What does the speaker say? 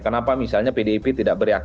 kenapa misalnya pdip tidak beri atas